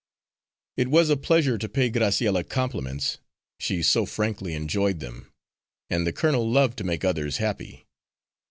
It was a pleasure to pay Graciella compliments, she so frankly enjoyed them; and the colonel loved to make others happy.